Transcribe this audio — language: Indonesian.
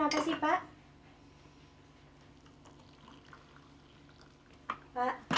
bapak kenapa sih pak